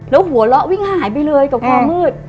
แล้วหัวเราะวิ่งหายไปเลยกับความมืด